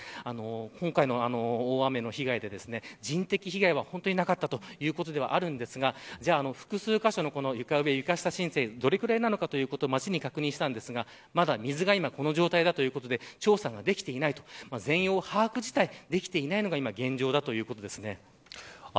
今回の大雨の被害で人的被害は本当になかったということではあるんですが複数箇所の床上、床下浸水どのくらいかということを町に確認したんですがまだ水がこの状態だということで調査ができていない全容の把握自体ができていないのが現状だということです。